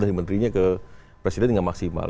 dari menterinya ke presidennya maksimal